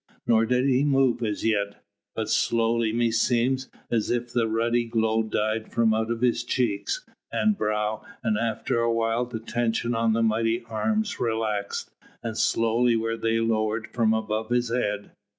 Nor did he move as yet, but slowly meseemed as if the ruddy glow died from out his cheeks and brow, and after a while the tension on the mighty arms relaxed, and slowly were they lowered from above his head.